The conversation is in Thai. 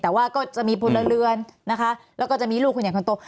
แต่ว่าก็จะมีพลเรือนนะคะแล้วก็จะมีลูกคนใหญ่คนโต